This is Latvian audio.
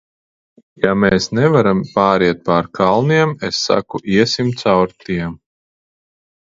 Ja mēs nevaram pāriet pār kalniem, es saku, iesim caur tiem!